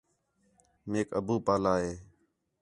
میک ابو پالا ہِے